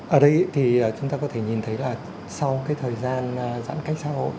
ở đây thì chúng ta có thể nhìn thấy là sau cái thời gian giãn cách xã hội